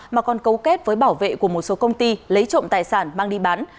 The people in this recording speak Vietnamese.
mà còn cấu kết với bảo vệ của một số công ty lấy trộm tài sản mang đi bán